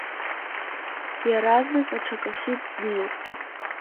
Иаразнак аҽакахьы дниасит.